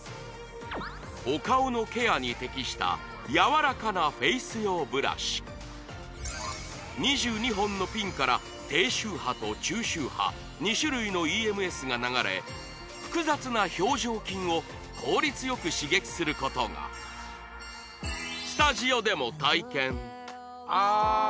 お顔のケアに適したやわらかなフェイス用ブラシ２２本のピンから低周波と中周波２種類のＥＭＳが流れ複雑な表情筋を効率よく刺激することがスタジオでも体験ああ